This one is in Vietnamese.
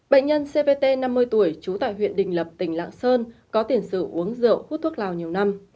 bệnh nhân cpt năm mươi tuổi trú tại huyện đình lập tỉnh lạng sơn có tiền sử uống rượu hút thuốc lào nhiều năm